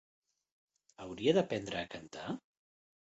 Hauria d'aprendre a cantar?